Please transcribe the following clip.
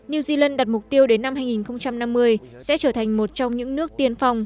new zealand đặt mục tiêu đến năm hai nghìn năm mươi sẽ trở thành một trong những nước tiên phong